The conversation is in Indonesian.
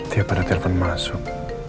dia pada telepon masuk